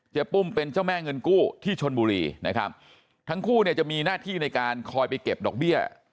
ปุ้มเป็นเจ้าแม่เงินกู้ที่ชนบุรีนะครับทั้งคู่เนี่ยจะมีหน้าที่ในการคอยไปเก็บดอกเบี้ย